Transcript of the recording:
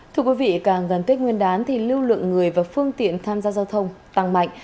thưa quý vị càng gần tết nguyên đán thì lưu lượng người và phương tiện tham gia giao thông tăng mạnh